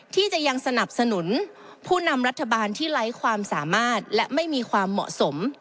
ที่จะยังสนับสนุนผู้นำรัฐบาลที่ไร้ความสามารถและไม่มีความเหมาะสม